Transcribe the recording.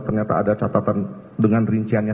ternyata ada catatan dengan rinciannya